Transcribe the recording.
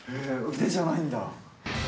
腕じゃないんだ。